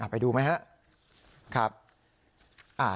ไปดูไหมฮะ